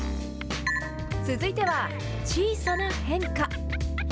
続いては、小さな変化。